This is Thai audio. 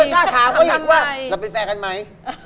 กล้าถามเขาอีกว่าเราเป็นแฟนกันไหม